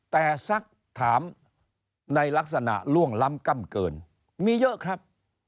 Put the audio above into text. แต่สักถามในลักษณะล่วงล้ำกล้ำเกินมีเยอะครับ